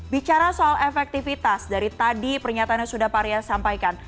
bicara soal efektivitas dari tadi pernyataannya sudah parian sampaikan